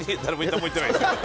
何も言ってないっすよ